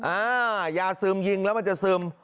อ่ายาซึมยิงแล้วมันจะซึม